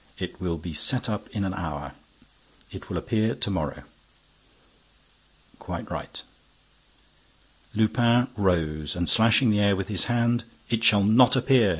It will be set up in an hour. It will appear to morrow." "Quite right." Lupin rose, and slashing the air with his hand, "It shall not appear!"